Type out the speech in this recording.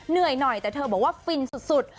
เหนื่อยหน่อยแต่เธอบอกว่าฟินสุด